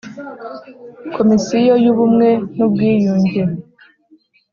Komisiyo y ubumwe n ubwiyunge